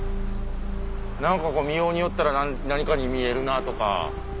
見ようによったら何かに見えるなぁとか。